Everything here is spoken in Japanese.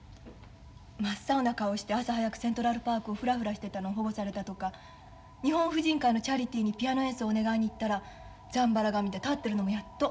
真っ青な顔して朝早くセントラルパークをフラフラしてたのを保護されたとか日本婦人会のチャリティーにピアノ演奏をお願いに行ったらざんばら髪で立ってるのもやっと。